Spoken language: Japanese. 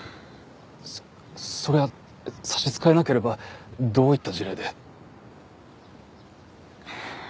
そそれは差し支えなければどういった事例で？